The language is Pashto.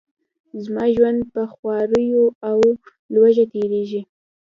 زما ژوند په خواریو او لوږه تیریږي.